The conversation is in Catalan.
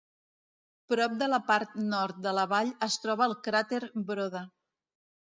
Prop de la part nord de la vall es troba el cràter Broda.